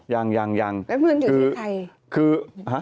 แล้วเงินอยู่ที่ใคร